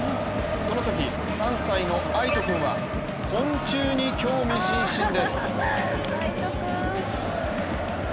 そのとき、３歳の逢叶君は昆虫に興味津々です。